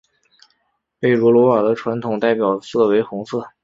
贝卓罗瓦的传统代表色为红色。